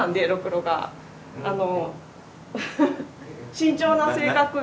慎重な性格が。